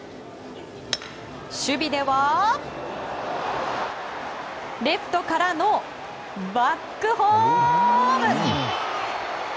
守備では、レフトからのバックホーム！